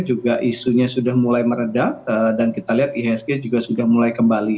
juga isunya sudah mulai meredah dan kita lihat ihsg juga sudah mulai kembali